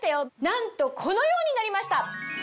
なんとこのようになりました！